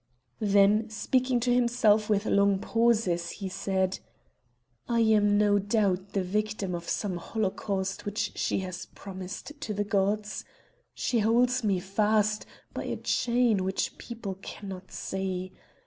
Then speaking to himself with long pauses he said: "I am no doubt the victim of some holocaust which she has promised to the gods?—She holds me fast by a chain which people cannot see.